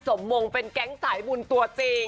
มงเป็นแก๊งสายบุญตัวจริง